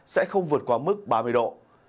sẽ không vượt qua mức ba mươi độ